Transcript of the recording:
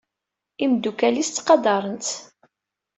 Imeddukal-is ttqadaren-tt.